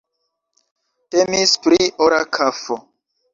Temis pri ora kafo.